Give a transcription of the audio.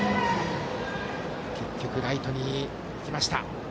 結局、ライトに行きました。